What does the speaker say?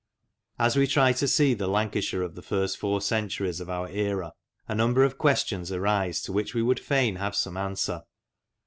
As we try to see the Lancashire of the first four centuries of our era, a number of questions arise to which we would fain have some answer.